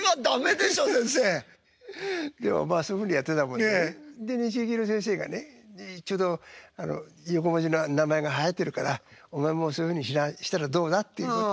でもまあそういうふうにやってたもんでねで日劇の先生がねちょうど横文字の名前がはやってるからお前もそういうふうにしたらどうだっていうことで。